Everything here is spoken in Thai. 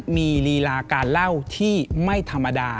มีลีลาการเล่าที่ไม่ธรรมดา